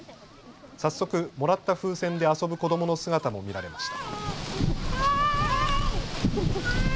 早速、もらった風船で遊ぶ子どもの姿も見られました。